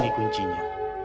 disini kamar ibu